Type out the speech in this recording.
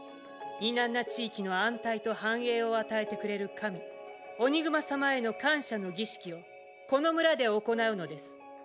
ニナンナ地域の安泰と繁栄を与えてくれる神オニグマ様への感謝の儀式をこの村で行うのです。